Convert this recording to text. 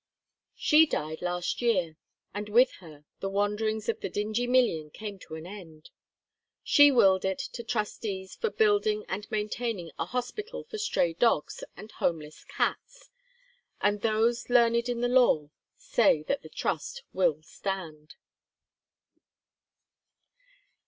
She died last year and with her the wanderings of the Dingee million came to an end. She willed it to trustees for building and maintaining a Hospital for Stray Dogs and Homeless Cats, and those learned in the law say that the trust will stand.